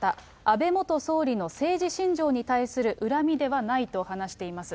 安倍元総理の政治信条に対する恨みではないと話しています。